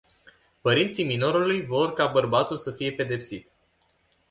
Părinții minorului vor ca bărbatul să fie pedepsit.